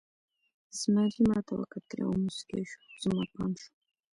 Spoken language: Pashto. زمري ما ته وکتل او موسکی شو، زما پام شو.